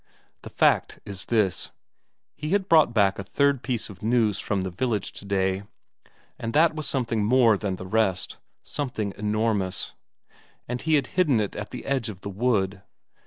The fact is this: he had brought back a third piece of news from the village today, and that was something more than the rest, something enormous; and he had hidden it at the edge of the wood.